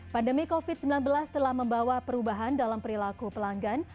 pandemi covid sembilan belas telah membawa perubahan dalam perilaku pelanggan